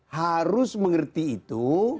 harus mengerti itu